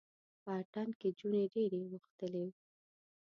په اتڼ کې جونې ډیرې اوښتلې